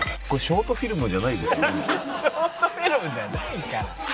ショートフィルムじゃないから。